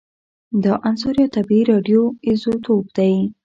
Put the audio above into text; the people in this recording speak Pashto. دا عنصر یو طبیعي راډیو ایزوتوپ دی